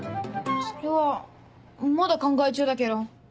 それはまだ考え中だけど。